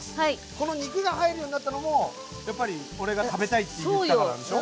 この肉が入るようになったのもやっぱり俺が食べたいって言ったからでしょ？